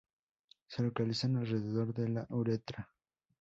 Se localizan alrededor de la uretra.